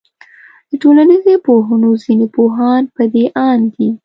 د ټولنيزو پوهنو ځيني پوهان پدې آند دي